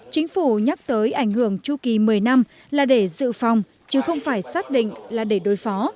chính phủ nhắc tới ảnh hưởng chu kỳ một mươi năm là để dự phòng chứ không phải xác định là để đối phó